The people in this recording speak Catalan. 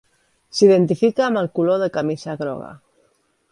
S’identifica amb el color de camisa groga.